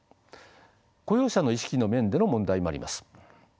雇用者の意識の面での問題もあります。